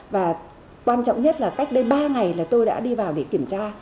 và quan trọng nhất là cách đây ba ngày là tôi đã đi vào để kiểm tra